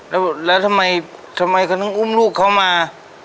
แล้วแล้วทำไมทำไมก็ต้องอุ้มลูกเขามา